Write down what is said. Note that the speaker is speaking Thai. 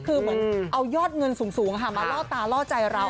คือเหมือนเอายอดเงินสูงมาล่อตาล่อใจเรา